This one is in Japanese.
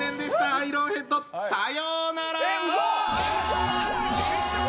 アイロンヘッドさようなら！